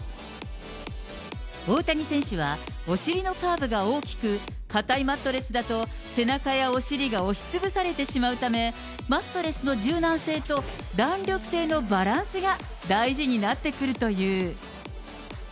大谷選手は、お尻のカーブが大きく、硬いマットレスだと、背中やお尻が押しつぶされてしまうため、マットレスの柔軟性と弾力性のバランスが大事になってくるという。